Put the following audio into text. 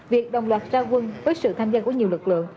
việc đồng loạt ra quân với sự tham gia của nhiều lực lượng